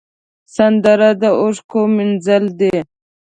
سندره د اوښکو مینځل دي